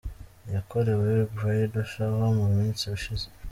Yakorewe Bridal Shower mu minsi ishize.